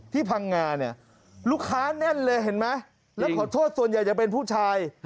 พังงาเนี่ยลูกค้าแน่นเลยเห็นไหมแล้วขอโทษส่วนใหญ่จะเป็นผู้ชาย